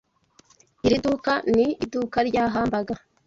Iri duka ni iduka rya hamburger.